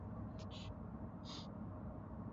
Siri ya maisha ni kutumika